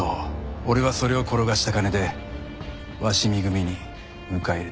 俺はそれを転がした金で鷲見組に迎え入れてもらった。